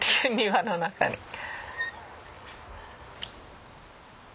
庭の中に。